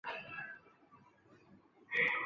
劳工之薪资